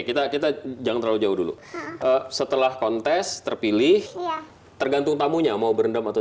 kita kita jangan terlalu jauh dulu setelah kontes terpilih tergantung tamunya mau berendam atau